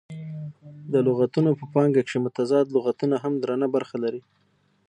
د لغتونه په پانګه کښي متضاد لغتونه هم درنه برخه لري.